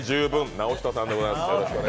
尚人さんでございます。